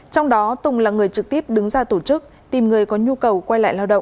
trong đó tùng là người trực tiếp đứng ra tổ chức tìm người có nhu cầu quay lại lao động